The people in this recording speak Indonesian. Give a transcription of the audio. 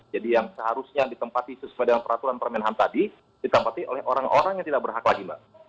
jadi yang seharusnya ditempati sesuai dengan peraturan permenahan tadi ditempati oleh orang orang yang tidak berhak lagi